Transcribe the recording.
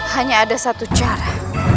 hanya ada satu cara